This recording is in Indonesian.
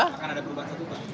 akan ada perubahan statuta